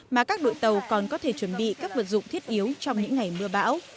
mà các đội tàu còn có thể chuẩn bị các vật dụng thiết yếu trong những ngày mưa bão